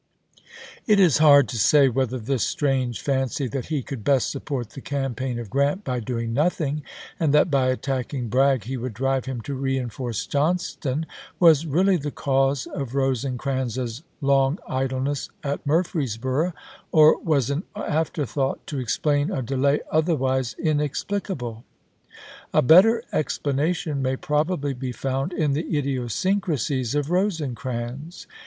^ p 27. It is hard to say whether this strange fancy that he could best support the campaign of Grant by doing nothing, and that by attacking Bragg he would drive him to reenforce Johnston, was really the cause of Rosecrans's long idleness at Murfreesboro, or was an afterthought to explain a delay otherwise inexplicable. A better explanation may probably be found in the idiosyncrasies of Rosecrans.